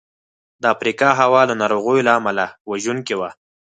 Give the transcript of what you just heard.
د افریقا هوا له ناروغیو له امله وژونکې وه.